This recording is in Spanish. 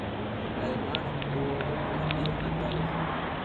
Además tuvo otros tres hijos naturales.